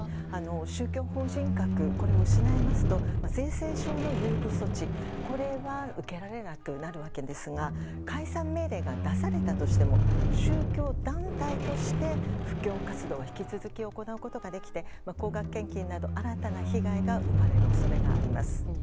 宗教法人格を失いますと税制上の優遇措置は受けられなくなるわけですが解散命令が出されたとしても宗教団体として布教活動は引き続き行うことができて高額献金など新たな被害が生まれる恐れがあります。